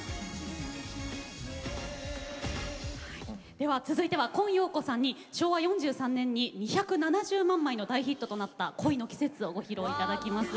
では続いては今陽子さんに昭和４３年に２７０万枚の大ヒットとなった「恋の季節」をご披露頂きます。